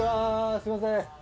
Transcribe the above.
すいません。